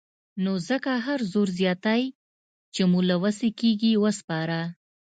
نو ځکه هر زور زياتی چې مو له وسې کېږي وسپاره.